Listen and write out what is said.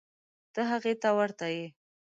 ته هغې ته ورته یې.